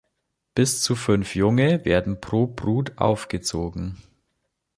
Bis zu fünf Junge werden pro Brut aufgezogen.